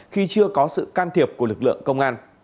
khi chưa có sự can thiệp của lực lượng công an